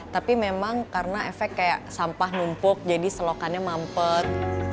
tapi memang karena efek kayak sampah numpuk jadi selokannya mampet